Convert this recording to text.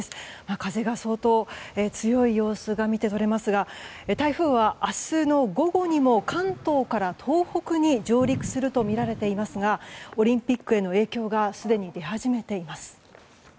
風が相当強い様子が見て取れますが台風は明日の午後にも関東から東北に上陸するとみられていますがオリンピックへの影響がすでに出始めています。